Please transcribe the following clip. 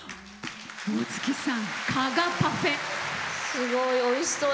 すごい、おいしそう。